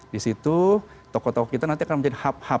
di situ tokoh tokoh kita nanti akan menjadi hub hub